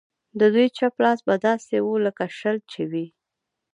د دوی چپ لاس به داسې و لکه شل چې وي.